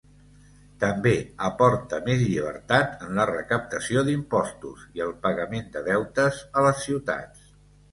També aporta més llibertat en la recaptació d'impostos i el pagament de deutes a les ciutats.